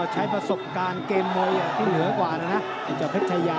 ใช้ประสบการณ์เกมมอย่างที่เหลือกว่านะนะจากเพชยะ